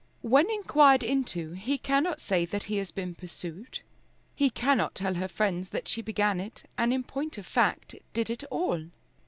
When inquired into, he cannot say that he has been pursued. He cannot tell her friends that she began it, and in point of fact did it all.